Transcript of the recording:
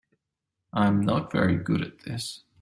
I'm not very good at this.